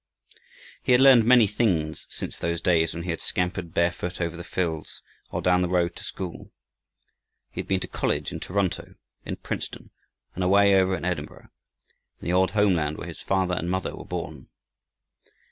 He had learned many things since those days when he had scampered barefoot over the fields, or down the road to school. He had been to college in Toronto, in Princeton, and away over in Edinburgh, in the old homeland where his father and mother were born.